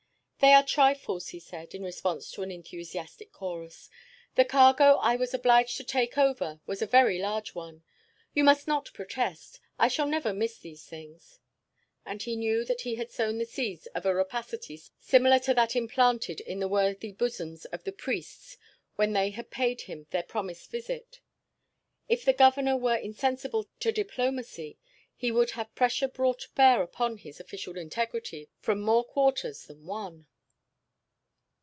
"They are trifles," he said, in response to an enthusiastic chorus. "The cargo I was obliged to take over was a very large one. You must not protest. I shall never miss these things." And he knew that he had sown the seeds of a rapacity similar to that implanted in the worthy bosoms of the priests when they had paid him their promised visit. If the Governor were insensible to diplomacy he would have pressure brought to bear upon his official integrity from more quarters than one.